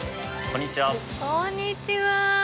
こんにちは。